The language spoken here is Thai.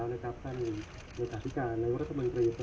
สำหรับลำดับงานในเบื้องต้นนะครับ